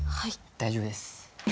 大丈夫です。